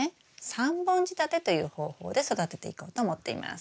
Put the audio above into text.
３本仕立てという方法で育てていこうと思っています。